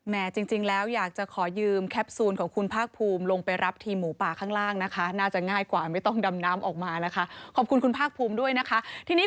จริงแล้วอยากจะขอยืมแคปซูลของคุณภาคภูมิลงไปรับทีมหมูป่าข้างล่างนะคะน่าจะง่ายกว่าไม่ต้องดำน้ำออกมานะคะขอบคุณคุณภาคภูมิด้วยนะคะทีนี้